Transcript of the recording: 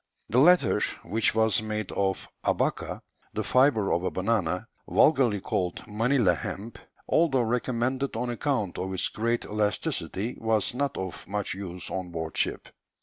The latter, which was made of "abaca," the fibre of a banana, vulgarly called "Manilla hemp," although recommended on account of its great elasticity, was not of much use on board ship.